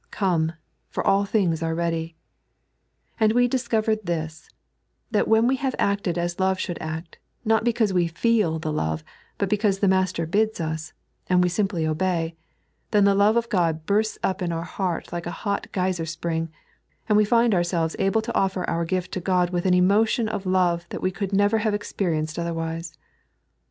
Oome, for all things are ready. And we discover this— that when we have acted as love should act, not because we fed the love, but because the Master bids us, and we simply obey, then the Love of Qod bursts up in our heart like a hot geyser spring, and we find ourselves able to offer our gift to Ood with an emotion of love that we could never have experienced otherwise.